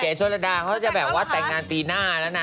เก๋โชฬดาเขาจะแบบว่าแตกงานตีหน้าแล้วน่ะ